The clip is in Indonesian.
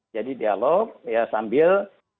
jadi dialog sambil